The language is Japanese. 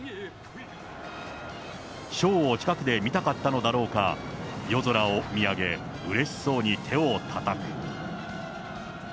ショーを近くで見たかったのだろうか、夜空を見上げ、うれしそうに手をたたく。